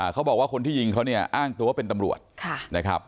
เขาบอกว่าคนที่ยิงเขาเนี่ยอ้างตัวเป็นตำรวจนะครับ